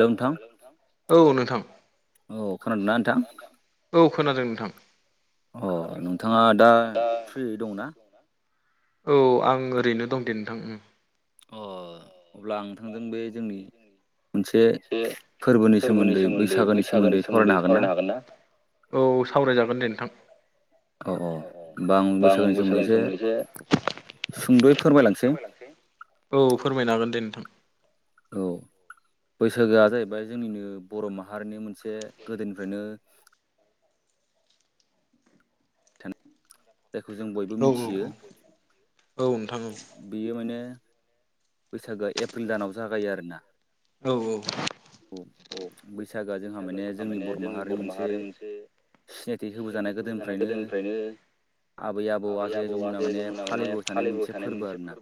नोंथां औ खोनादोंना नोंथां अ नोंथाङा दा फ्रि दंना? औ आं ओरैनो दंदे नोंथां। अ अब्ला आं नोंथांजों बे जोंनि। मोनसे फोरबोनि सोमोन्दै बैसागोनि सोमोन्दै सावरायनो हागोन ना? औ सावरायजागोन दे नोंथां। औ होमबा आं बैसागोनि सोमोन्दै एसे। सुंदयै फोरमायलांसै। औ फोरमायनो हागोन दे नोंथां। औ बैसागोआ जाहैबाय जोंनिनो बर माहारिनि मोनसे गोदोनिफ्रायनो [inaudible] [unintelligible] जायखौ जों बयबो मिथियो बेयो माने। बैसागोआ एप्रिल दानाव जागायो आरोना। औ औ बैसागोआ जोंहा माने जोंनि बर माहारिनि मोनसे। सिनायथि होबोजानाय गोदोनिफ्रायनो। आबै आबौआ जे जमुना माने फालिबोबाय थानाय मोनसे फोरबो आरोना।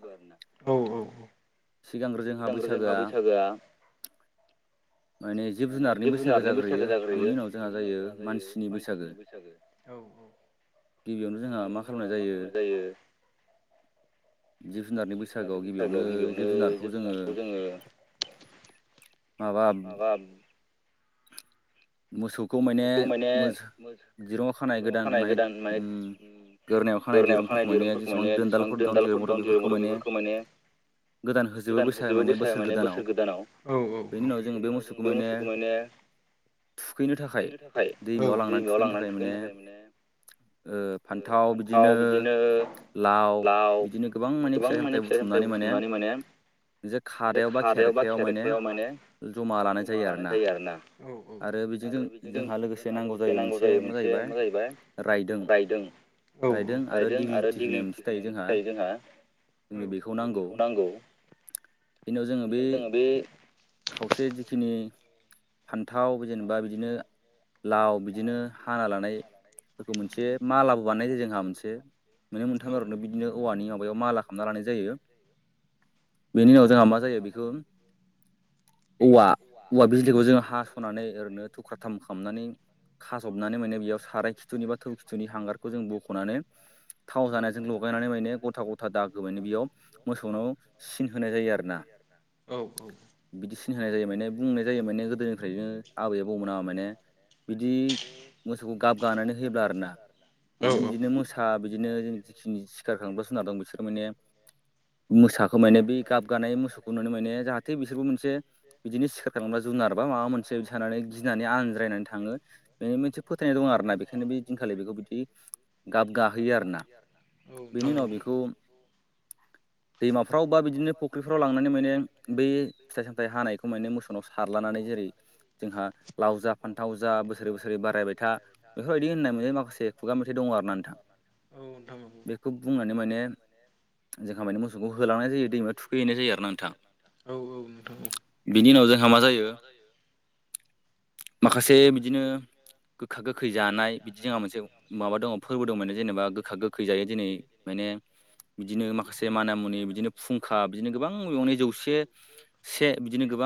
सिगांग्रो जोंहा बैसागोआ। माने जिब जुनारनि बैसागो जाग्रोयो बिनि उनाव जोंहा जायो मानसिनि बैसागो। गिबियावनो जोंहा मा खालामनाय जायो। जिब जुनारनि बैसागोआव गिबियावनो ओ-जिब जुनारखौ जोङो माबा [unintelligible] मोसौखौ माने मोस- दिरुाङाव खानाय गोदान माने ओ-गोर खानाय दिरुंफोरखौ माने जेसेबां दोनदालफोर दं दिरुं दं बेफोरखौ माने गोदान होजोबो बैसाग माने बोसोर गोदानाव बेनि उनाव जों बे मोसौखौ माने। थुखैनो थाखाय दैमायाव लांनानै थुखैनो थाखाय माने। फान्थाव बिदिनो लाव गोबां माने फि फि बुथुमनानै माने जे खारायाव बा खेरखायाव माने जमा लानाय जायो आरो ना। औ औ औ। आरो बिजों ज जोंहा लोगोसे नांगौ जायो मोनसे मा जाहैबाय रायदों औ रायदों आरो दिगलिटि होनो जायो जोंहा औ जोंनो बेखौ नांगौ बेनाव जोङो बे खावसे जिखिनि फान्थाव जेनेबा बिदिनो लाव बिदिनो हाना लानाय बेखौ मोनसे मालाबो बानायनाय जायो जोंहा मोनसे माने मोनथामारावनो बिदिनो औवानि माबायाव माला खालामामना लानाय जायो बेनि उनाव जोंहा मा जायो बेखौ औवा औव जखौ जोङो हा स'नानै ओरैनो थुख्राथाम खालामनानै खाज'बनानै माने बेयाव साराय खिथुनि बा थौ खिथुनि हांगारखौ जों बख'नानै थाव जानायजों लगायनानै माने गथा गथा दागो मानि बेयाव मोसौनाव सिन होनाय जायो आरो ना औ औ। बिदि सिन होनाय जायो माने बुंनाय जायो माने गोदोनिफ्रायनो आबै आबौमोन माने बि जि मोसौखौ गाबगानानै होयोब्ला आरोना माननो बिदिनो मोसा बिदिनो जों जिखिनि सिखारखांब्ला खोनार द बिसोरो माने मोसाखौ माने बेै गाब गानाय मोसौखौ नुनो माने जाहाथे बिसोरबो मोनसे बिदिनो सिखार थोबा जुनार बा माबा मोनसे सानानै गिनानै आनज्रायनानै थाङो बेनि मोनसे फोथायनाय दं आरोोना बेखायनो बे दिनखालि बेखौ बिदि गाब गाहोयो आरोोना बेनि उनाव बेखौ दैमाफ्राव बा बिदिनो फुख्रिफ्राव लांनानै माने बै फिथाइ सामथाइ हानायखौ माने मोसौ। ाव सारलनानै जेरै जोंहा लाव जा फान्थाव जा बोसोर बोसोर बारायबाय था बेफोरबायदि होननाय मोन माखासे खुगा मेथाइ दं आर ना नोंथां बेखौ बुंनानै माने जोंहाामानि मोसौखौ होलांनाय जायो दैमायाव थुखैहैनाय जायो आरो ना नोंथां बिनि उनाव जोंहा मा जायो माखासे बिदिनो गोखा गोखै जानाय बिदि जोंहा मोनसे माबा दङ फोरबो दं माने जेनेबा गोखा गोखै जायो दिनै माने बिदिनो माखासे माना मुनि बिदिनो फुंखा बिदिनो गोबां मंै जौसे से बिदिनो गो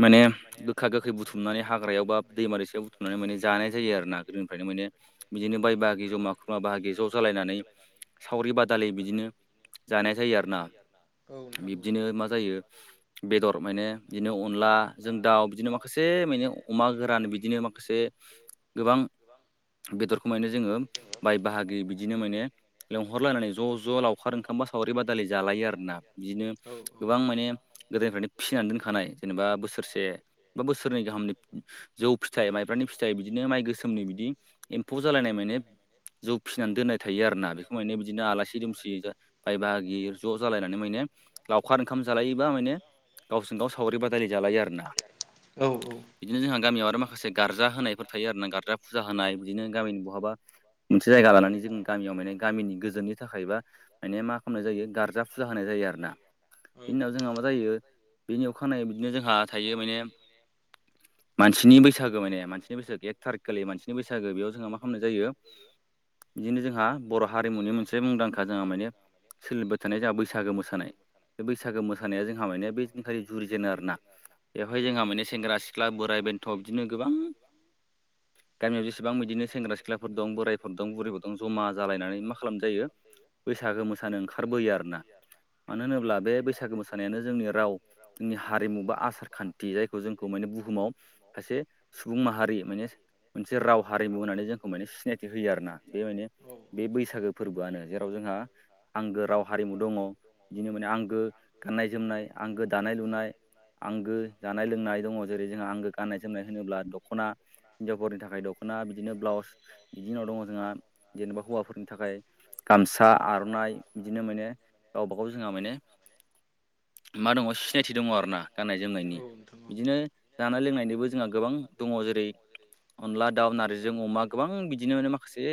म गोखा गोै बु ह हाग्रायाव बा दैमा दै सायाव बथुमनानै मान जानाय जायो आरो नाागनिफ्रायनो माने बिदिनो बाय बागि जमा खुरुमा ब ज' जालायनानै सावरि बादालि बिदिनो जानाय जायो आरो ना बिदिनो मा जायो बेदर माने बिदिनो अनला जों दाउ बिदिनो माखासे माने अमा गोरान बिदिनो माखासे गोबां बेदरखौ माने जोङो बाय बाहागि बिदिनो माने लेंहरलायनानै ज' ज' लावखार ओंखाम सावि बादालि जालायो आरोोना बिदिनो गोबां मान गोदनिनानै दोन जबा बोसोरसे ब बोसोर नै गाहामनि जौ फिथाइ माइब्रानि फिथाइ बिदिनो माइ गोसोमनि बिदि एम्फौ जालायनाय माने जौ फिसिनानै दोननाय थायो आरोना बेखौ माने बिदिनो आलासि दुमसि बाय बागि ज' जालायनानै माने लावखार ओंखाम जालायोबा माने गावजों गाव सावरि बादालि जालायो आरोना बिदिनो जोंहा गामियाव आरो माखासे खासे गारजा होनायफोर थायो आरो ना गारजा फुजा होनाय बिदिनो गामिनि बहाबा मोनसे जायगा लानानै जों गामियाव माने गामिनि गोजोननि थाखायबा माने मा खालामनाय जायो गारजा फुजा होनाय जायो आरो ना बिनि उनाव जोंहा मा जायो बेनि अखानायनाया बिदिनो जोंहा थायो माने मानसिनि बैसागो माने मानसिनि बैसागो एक थारिखखालि मानसिनि बैसागो बेयाव जोंहा मा खालामनाय जायो बिदिनो जोंहा बर' हारिमुनि मोनसे मुंदांखा जोंहा माने सोलिबाय थानाय जोंहा बैसागो मोसानाय बे बैसागो मोसानाया जोंहा मानेया बे लि जुरिजेनो आरो ना बेवहाय जोंहा माने सेंग्रा सिख्ला बोराइ बेन्थ' बिदिनो गोबां [inaudible] गामिआव जेसेबां इदिनो सेंग्रा सिख्लाफोर दं बोरायफोर दं बुरैफोर दं जमा जालायनानै मा खालामनाय जायो बैसागो मोसानो ओंखारबोयो आरो ना मानो होनोब्ला बे बैसागो मोसानायानो जोंनि राव जोंनि हारिमु बा आसार खान्थि जायखौ जोंखौ माने बुहुमाव खायसे सुबुं बुं माहारि मानि मोनसे राव हारिमु होननानै जोंखौ मानि सिनायथि होयो आरोना बे माने बे बैसागु बैसागो फोरबोआनो जेराव जोंहा आंगो राव हारिमु दङ इदिनो माने आंगो गाननाय जोमनाय आंगो दानाय लुनाय आंगो जानाय लोंनाय दङ जेरै जोंहा आंगो गाननाय जोमनाय होनोब्ला दख'ना हिनजावफोरनि थाखाय दख'ना बिदिनो ब्लाउस बिदिह उनाव दङ जोंहा जेनेबा हौवाफोरनि थाखाय थाखाय गामसा आर'नाइ इदिनो माने गावबा गाव जोंहा माने मा दङ सिनायथि दङ आरो ना गाननाय जोमनायनि बिदिनो जानाय लोंनायनिबो जोंहा गोबां दङो जेरै अनला दाउ नारजिजों अमा गोबां बिदिनो माने माखासे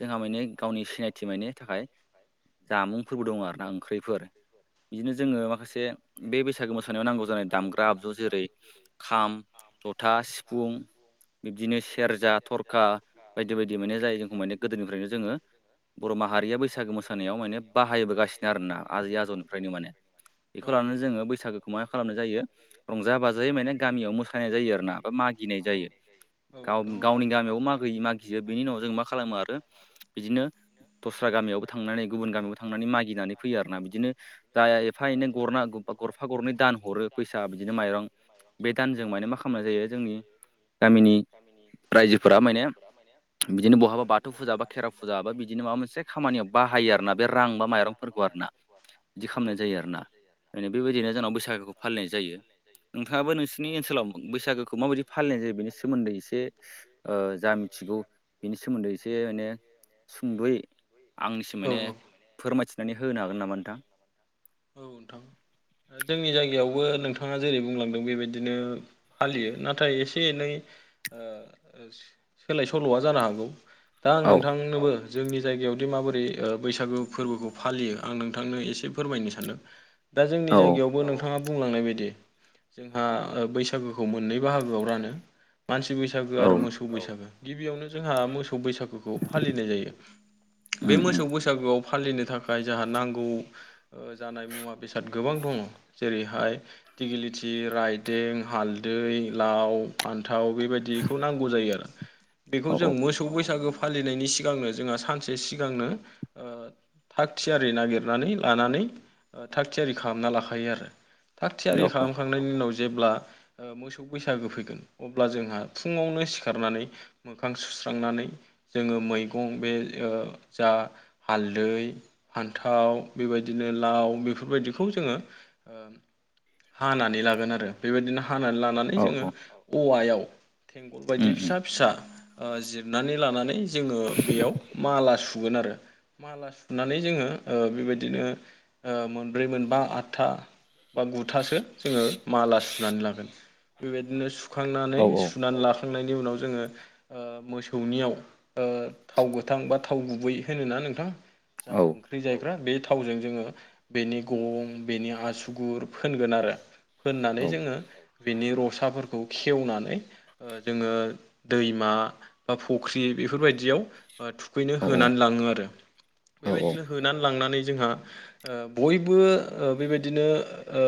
जोंहा मानि गावनि सिनायथि मायनि थाखाय जामुंफोरबो दङ आरोना ओंख्रिफोर बिदिनो जोङो माखासे बे बैसागु मोसानायाव नांगौ जानाय दामग्रा आबजु जेरै खाम जथा सि फुं बिब्दिनो सेरजा थरखा बायदि बायदि मानि जाय जोंखौ माने गोदोनिफ्रायनो जोङो बर' माहारिया बैसागो मोसानाआव माने बाहायबोगासिनो आरोना आजै आजौनिफ्रायनो माने बेखौ लानानै जोङो बैसागोखौ मा खालामनाय जायो रंजा बाजायै मानि गामियाव मोसानाय जायो आरो ना बा मागि गिनाय जायो गाव गावनि गामियावबो मागोयो मागियो बेनि उनाव जों मा खालामो आरो बिदिनो दस्रा गामियावबो थांनानै गुबुन गामिआवबो थांनानै मागिनानै फैयो आरोना बिदिनो दाआ एफा एनै गरना बा गरफा गरनै दान हरो फैसा बिदिनो माइरं बे दानजों माने मा खालामनाय जायो जोंनि गामिनि रायजोफोरा माने बिदिनो बहाबा बाथौ फुजा बा खेराव फुजा बा बिदिनो माबा मोनसे खामानियाव बाहायो आरोना बे रां बा माइरंफोरखौ आरो ना बिदि खालामनाय जायो आरो ना खायनो बेबायदिनो जोंनाव बैसागोखौ फालिनाय जायो नोंथांआबो नोंसिनि ओनसोलाव बैसागोखौ माबादि फालिनाय जायो बेनि सोमोन्दै एसे ओ जा मिथिगौ बिनि सोमोन्दै एसे माने सुंद'यै आंनिसिम माने फोरमायथिनानै होनो हागोन नामा नोंथां? औ नोंथां ओ जोंनि जायगायावबो नोंथाङा जेरै बुंलांदों बेबायदिनो फालियो नाथाय एसे एनै ओ सोलाय सोल'आ जानो हागौ दा आं नोंथांनोबो जोंनि जायगाआवदि माबोरै ओ बैसागु फोरबोखौ फालियो आं नोंथांनो एसे फोरमायनो सानदों दा जोंनि जायगाआवबो नोंथाङा बुंलांनाय बायदि जोंहा बैसागोखौ मोननै बाहागोआव रानो मानसि बैसागो आरो मोसौ बैसागो गिबियावनो जोंहा मोसौ मोसौ बैसागुखौ फालिनाय जायो बे मोसौ बैसागोआव फालिनो थाखाय जोंहा नांगौ जानाय मुवा बेसाद गोबां दङ जेरैहाय दिगिलिटि राइदें हालदै लाव फान्थाव बेबायदिखौ नांगौ जायो आरो बेखौ जों मोसौ बैसागो फालिनायनि सिगांनो जोंहा सानसे सिगांनो ओ थाग थियारि नागिरनानै लानानै ओ थाग थियारि खालामना लाखायो आरो थाग थियारि खालामखांनायनि उनाव जेब्ला ओ मोसौ बैसागो फैगोन अब्ला जोंहा फुङावनो सिखारनानै मोखां सुस्रांनानै जोङो मैगं बे ओ जा हालै फान्थाव बेबायदिनो लाव लाव बेफोरबादि खौ जोंङो ओ हानानै लागोन आरो बेबायदिनो हानानै लानानै जोङो औवाआव थेंगट बायदि फिसा फिसा ओ जिरनानै लानानै जोङो बेयाव माला सुगोन आरो माला सुनानै जोङो ओ बेबायदिनो ओ मोनब्रै मोनबा आदथा बा गुथासो जोङो माला सुनानै लागोन बेफोरबायदिनो सुखांनानै सुनानै लाखांनायनि नि उनाव जोङो ओ मोसौनियाव ओ थाव गोथां बा थाव गुबै होनोना नोंथां? जा ओंख्रि जाय ग्रा बे थावजों जोङो बेनि गं बेनि आसुगुर फोनगोन आरो फोननानै जोङो बिनि र साफोरखौ खेवनानै जोङो ओ दैमा बा फख्रि बेफोरबायदियाव आव थुखैनो होनानै लाङो आरो बेबायदिनो होनानै लांनानै जोंहा ओ बयबो ओ बेबायदिनो ओ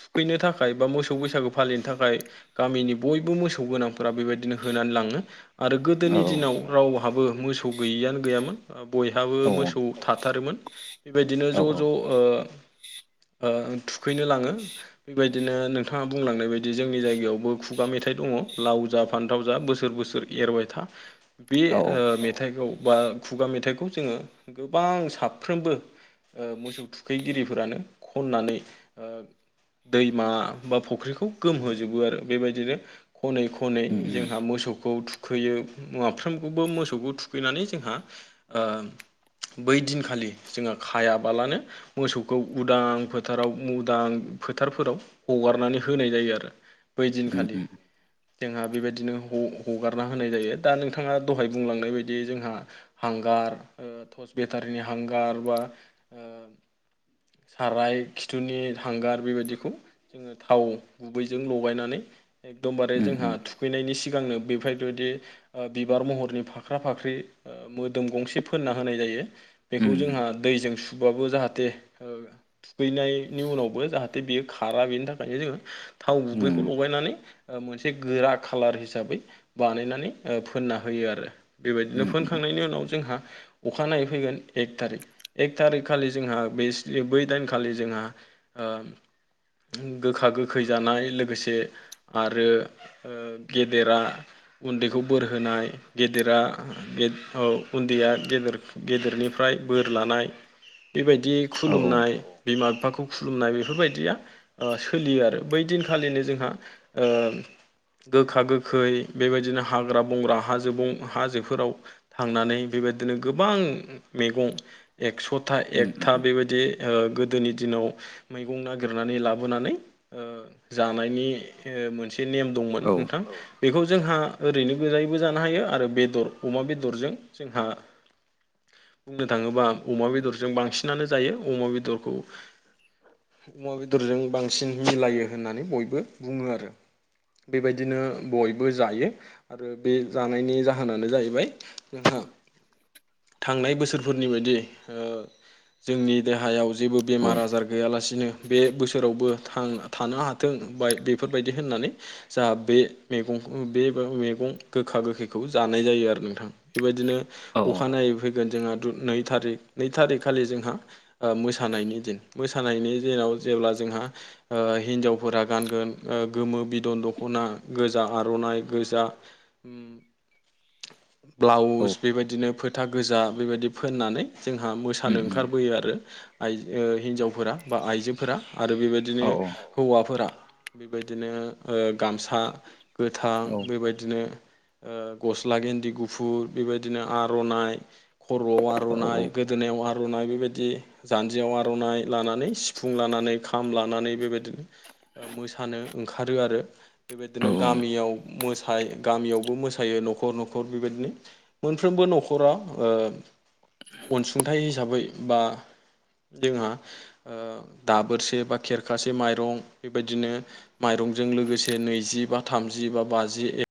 थुखैनो थाखाय बा मोसौ बैसागु फालिनो थाखाय गामिनि बयबो मोसौ गोनांफोरा बेबायदिनो होनानै लाङो। आरो गोदोनि दिनाव रावा हाबो मोसौ गैयिआनो गैयामोन बयहाबो मोसौ थाथारोमोन। बेबायदिनो ज' ज' ओ ओ थुखैनो लाङो बेबायदिनो नोंथाङा बुंलांनाय बाय दि जोंनि जायगायावबो खुगा मेथाइ दङ लाव जा फान्थाव जा बोसोर बोसोर एरबाय था बे बे ओ मेथाइखौ बा खुगा मेथाइखौ जोङो गोबां साफ्रोमबो ओ मोसौ थुखैगिरिफोरानो खननानै ओ दैमा बा फख्रिखौ गोमहोजोबो आरो बेबायदिनो खनै खनै जोंहा मोसौखौ थुखोयो माफ्रोम खौबो मोसौखौ थुखैनानै जोंहा ओ बै दिनखालि जोंहा खायाबालानो मोसौखौ उदां फोथाराव उदां फोथारफोराव हगारनानै होनाय जायो आरो बै दिनखालि। जोंहा बेबायदिनो ह-हगारना होनाय जायो दा नोंथाङा दहाय बुंलांनाय बायदि जोंहा हांगार ओ थर्स बेटारिनि हांगार बा साराय खिथुनि हांगार बेबायदिखौ जोङो थाव गुबैजों लगायनानै एकदमबारे जोंहा थुखैनायनि सिगांनो बेफोरबायदि ओ बिबार महरनि फाख्रा फाख्रि ओ मोदोम गंसे फोना होनाय जायो बेखौ जोहा दैजों सु बाबो जाहाथे थुखैनायनि उनावबो जाहाथे बेयो खारा बेनि थाखायनो जोङो थाव गुबैखौ लगायनानै ओ मोनसे गोरा खालार हिसाबै बानायनानै ओ फोनना होयो आरो बेबायदिनो फोनखांनायनि उनाव जोंहा अखानायै फैगोन एक थारिख एक थारिक खालि जोंहा बैइस बै दाइनखालि जोंहा ओ गोखा गोखै जानाय लोगोसे आरो ओ गेदेरा उन्दैखौ बोरहोनाय गेदेरा गेद औ उन्दैया गेद-गेदेरनिफ्राय बोर लानाय। बेबायदि खुलुमनाय बिमा बिफाखौ खुलुमनाय बेफोरबायदिया ओ सोलियो आरो बै दिनखालिनो जोंहा ओ गोखा गोखै बेबायदिनो हाग्रा बंग्रा हाजो बं हाजोफोराव थांनानै बे बेदिनो गोबां मेगं एकसथा एकथा बेबायदि ओ गोदोनि दिनाव मैगं नागिरनानै लाबोनानै ओ जानायनि ओ मोनसे से नेम दंमोन नोंथां। बेखौ जोंहा ओरैनो गोजायैबो जानो हायो आरो बेदर अमा बेदरजों जोंहा बुंनो थाङोबा अमा बेदरजों बांसिनानो जायो अमा बेदरखौ अमा बेदरजों बांसिन मिलायो होननानै बयबो बुङो आरो बेबायदिनो बयबो जायो आरो बे जानायनि जाहोनानो जाहैबाय नोंथां [inaudible] थांनाय बोसोरफोरनि बायदि ओ जोंनि देहायाव जेबो बेमार आजार गैयालासिनो बे बोसोरावबो थां थानो हाथों बेफोरबादि होन्नानै जा बे मेगं बे मेगं ज [unintelligible] जोंहा नै थारि नै थारि खालि जोंहा ओ मोसानायनि दिन मोसानायनि दिनाव जेब्ला जोंहा ओ हिनजावफोरा गानगोन गोमो बिदन दख'ना गोजा आर'नाइ गोजा ओम [inaudible] ब्लाउस बेबायदिनो फोथा गोजा बेबायदि फोननानै जोंहा मोसानो ओंखारबोयो आरो। आइ ओ हिन्जावफोरा बा आइजोफोरा आरो बेबायदिनो हौवाफोरा बेबायदिनो ओ गामसा गोथां बेबायदिनो ओ गस्ला गेन्दि गुफुर बेबायदिनो आर'नाइ खर'आव आर'नाइ गोदोनि आर'नाइ बेबायदि जान्जियाव आर'नाइ लानानै सिफुं लानानै खाम लानानै बेबायदिनो मोसानो ओंखारो आरो बेबायदिनो गामियाव मोसा गा गामियावबो मोसायो न'खर न'खर बेबायदिनो मोनफ्रोमबो न'खरा ओ। अनसुंथाइ हिसाबै बा जोंहा ऐ दाबोरसे बा खेब खासे माइरं बेबायदिनो माइरंजों लोगोसे नैजि बा थामजि बा बाजि